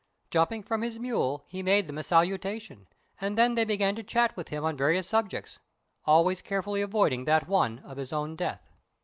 Jumping from his mule, he made them a salutation, and then they began to chat with him on various subjects, always carefully avoiding that one of his own death.